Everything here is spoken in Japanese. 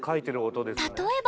例えば。